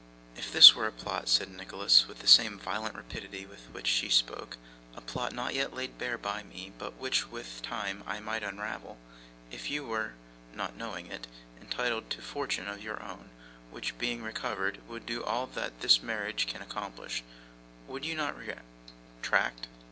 'If this were a plot,' said Nicholas, with the same violent rapidity with which she spoke, 'a plot, not yet laid bare by me, but which, with time, I might unravel; if you were (not knowing it) entitled to fortune of your own, which, being recovered, would do all that this marriage can accomplish, would you not retract?